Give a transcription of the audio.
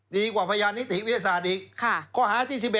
ดีกว่าพยานนิติวิทยาศาสตร์อีก